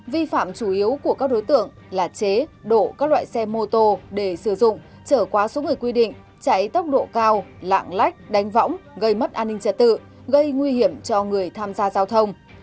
vi phạm chủ yếu của các đối tượng là chế độ các loại xe mô tô để sử dụng trở quá số người quy định chạy tốc độ cao lạng lách đánh võng gây mất an ninh trật tự gây nguy hiểm cho người tham gia giao thông